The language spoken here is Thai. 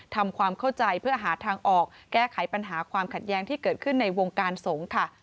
ทำความเข้าใจเพื่อหาทางออกแก้ไขปัญหาความขัดแย้งที่เกิดขึ้นในวงการสงฆ์ค่ะ